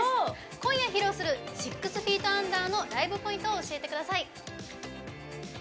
今夜、披露する「ｓｉｘｆｅｅｔｕｎｄｅｒ」のライブポイントを教えてください。